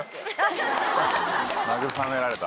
慰められた。